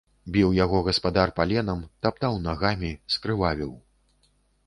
Біў яго гаспадар паленам, таптаў нагамі, скрывавіў.